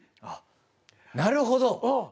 あっなるほど！